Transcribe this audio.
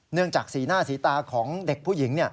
จากสีหน้าสีตาของเด็กผู้หญิง